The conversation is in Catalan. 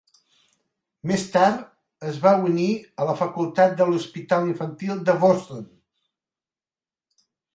Més tard es va unir a la facultat de l'Hospital Infantil de Boston.